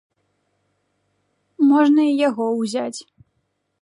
Можна і яго ўзяць.